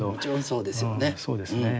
そうですよね。